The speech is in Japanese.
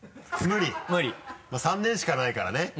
まぁ３年しかないからね。